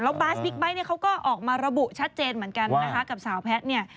บาสบิ๊กไบท์เนี่ยเขาก็ออกมาระบุชัดเจนเหมือนกันนะคะกับสาวแพทย์เนี่ย